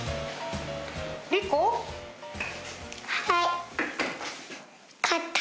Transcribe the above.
はい。